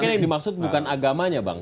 mungkin ini maksud bukan agamanya bang